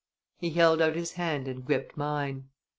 He held out his hand and gripped mine.